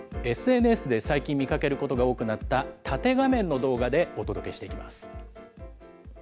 ＳＮＳで最近見かけることが多くなった、縦画面の動画でお届けしていきます。